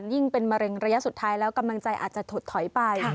ยิ่งเป็นมะเร็งระยะสุดท้ายแล้วกำลังใจอาจจะถดถอยไป